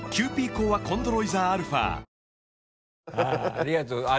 ありがとうございます。